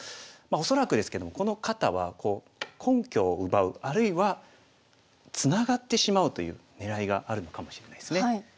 恐らくですけどもこの方は根拠を奪うあるいはツナがってしまうという狙いがあるのかもしれないですね。